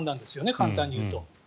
簡単に言うと。